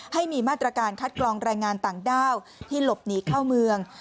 ให้มีมาตรการคัดกรองแรงงานต่างด้าวที่หลบหนีเข้าเมือง